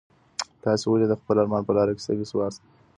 تاسي ولي د خپل ارمان په لاره کي ستړي سواست؟